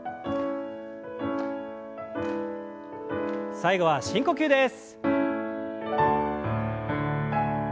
最後は深呼吸です。